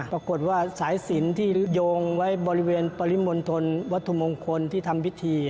ปรากฏว่าสายสินที่โยงไว้บริเวณปริมณฑลวัตถุมงคลที่ทำพิธี